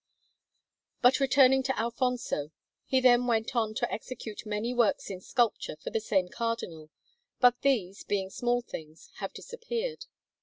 But returning to Alfonso; he then went on to execute many works in sculpture for the same Cardinal, but these, being small things, have disappeared.